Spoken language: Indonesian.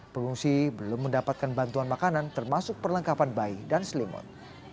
pengungsi belum mendapatkan bantuan makanan termasuk perlengkapan bayi dan selimut